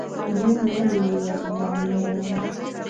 جنګ ولې ورانی راوړي؟